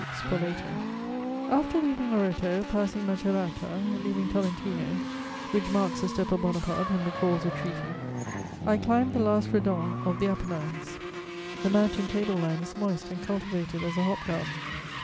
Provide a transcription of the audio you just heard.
"SPOLETO. "After leaving Loretto, passing Macerata, leaving Tolentino, which marks a step of Bonaparte and recalls a treaty, I climbed the last redans of the Apennines. The mountain table land is moist and cultivated as a hop garden.